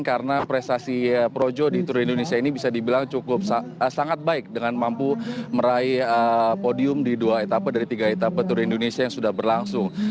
karena prestasi projo di tour de indonesia ini bisa dibilang cukup sangat baik dengan mampu meraih podium di dua etapa dari tiga etapa tour de indonesia yang sudah berlangsung